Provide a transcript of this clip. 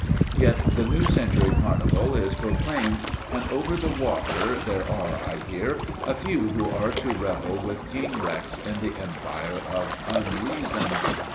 Yet the New Century Carnival is proclaimed and, over the water, there are, I hear, a few who are to revel with King Rex in the Empire of Unreason.